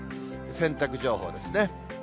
洗濯情報ですね。